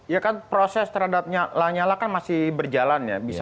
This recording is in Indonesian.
ya kan proses terhadap nyala nyala kan masih berjalan ya